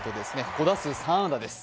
５打数３安打です。